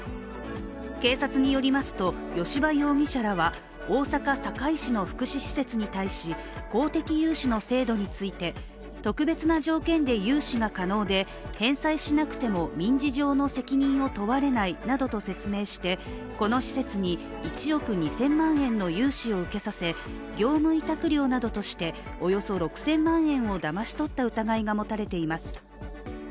警察によりますと、吉羽容疑者らは大阪・堺市の福祉施設に対し公的融資の制度について特別な条件で融資が可能で、返済しなくても民事上の責任を問われないなどと説明してこの施設に１億２０００万円の融資を受けさせ、業務委託料などとしておよそ６０００万円をだまし取った疑いが持たれています。